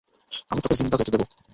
আমি তোকে জিন্দা যেতে দেব।